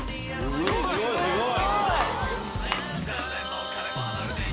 すごい！